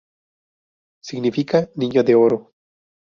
Significa "niño de oro".